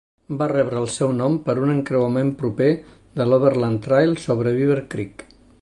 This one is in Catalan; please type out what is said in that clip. Va rebre el seu nom per un encreuament proper de l'Overland Trail sobre Beaver Creek.